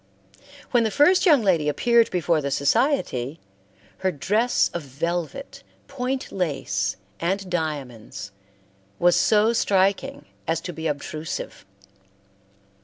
When the first young lady appeared before the society, her dress of velvet, point lace, and diamonds, was so striking as to be obtrusive.